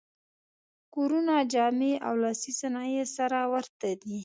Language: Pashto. کورونه، جامې او لاسي صنایع یې سره ورته دي.